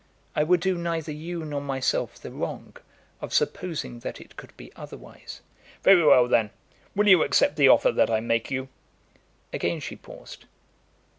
I would do neither you nor myself the wrong of supposing that it could be otherwise." "Very well then. Will you accept the offer that I make you?" Again she paused.